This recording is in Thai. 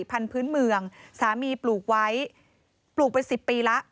พันธุ์เมืองสามีปลูกไว้ปลูกไป๑๐ปีแล้ว